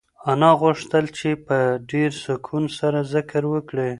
انا غوښتل چې په ډېر سکون سره ذکر وکړي.